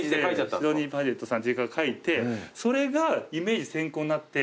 シドニー・パジェットさんという方が描いてそれがイメージ先行になって。